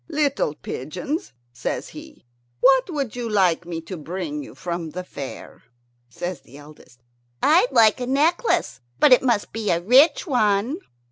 "Little pigeons," says he, "what would you like me to bring you from the fair?" Says the eldest, "I'd like a necklace, but it must be a rich one."